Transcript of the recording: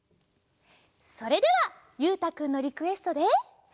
それではゆうたくんのリクエストで。